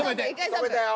止めたよ。